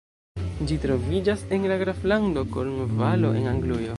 Ĝi troviĝas en la graflando Kornvalo en Anglujo.